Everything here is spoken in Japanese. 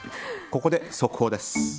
ここで速報です。